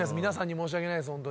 皆さんに申し訳ないです